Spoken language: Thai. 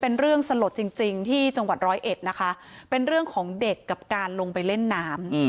เป็นเรื่องสลดจริงที่จังหวัดร้อยเอ็ดนะคะเป็นเรื่องของเด็กกับการลงไปเล่นน้ำ